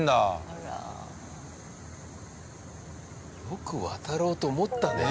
よく渡ろうと思ったね